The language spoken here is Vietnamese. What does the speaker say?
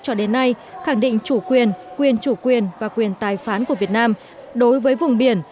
cho đến nay khẳng định chủ quyền quyền chủ quyền và quyền tài phán của việt nam đối với vùng biển